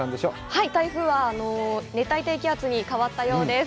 はい、台風はあのー、熱帯低気圧に変わったようです。